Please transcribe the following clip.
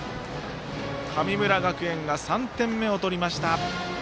神村学園が３点目を取りました。